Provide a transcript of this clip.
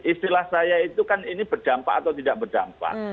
istilah saya itu kan ini berdampak atau tidak berdampak